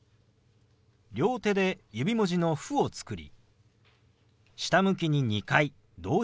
両手で指文字の「フ」を作り下向きに２回同時に動かします。